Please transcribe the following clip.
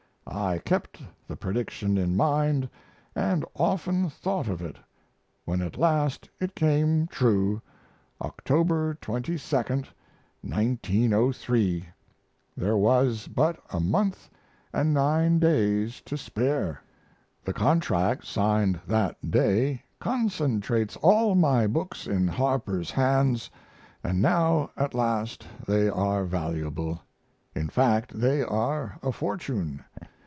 I kept the prediction in mind & often thought of it. When at last it came true, October 22, 1903, there was but a month & 9 days to spare. The contract signed that day concentrates all my books in Harper's hands & now at last they are valuable; in fact they are a fortune.